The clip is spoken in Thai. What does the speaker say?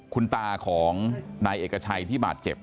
คุณตาของนายเอกชัยที่บาดเจ็บ